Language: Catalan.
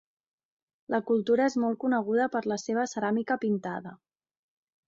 La cultura és molt coneguda per la seva ceràmica pintada.